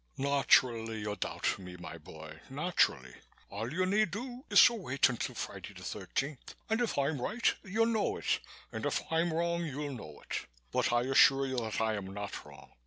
"Naturally you doubt me, my boy, naturally. All you need do is to wait until Friday the thirteenth and if I'm right you'll know it and if I'm wrong you'll know it. But I assure you that I am not wrong.